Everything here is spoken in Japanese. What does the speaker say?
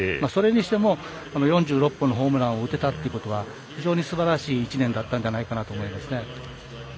それにしても、４６本のホームランを打てたというのは非常にすばらしい１年だったと思いますね。